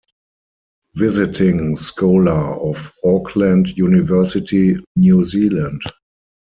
Visiting Scholar of Auckland University, New Zealand.